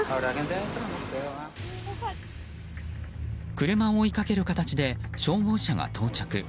車を追いかける形で消防車が到着。